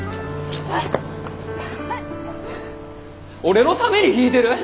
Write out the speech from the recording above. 俺のために弾いてる？